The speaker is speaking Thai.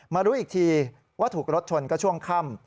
รู้อีกทีว่าถูกรถชนก็ช่วงค่ำ